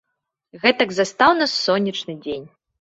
Гэтак застаў нас сонечны дзень.